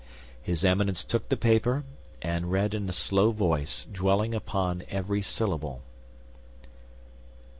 His Eminence took the paper, and read in a slow voice, dwelling upon every syllable: "Dec.